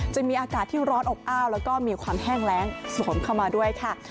จะมีอากาศที่ร้อนอบอ้าวแล้วก็มีความแห้งแรงสวมเข้ามาด้วยค่ะ